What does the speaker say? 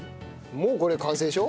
もうこれ完成でしょ？